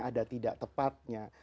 ada tidak tepatnya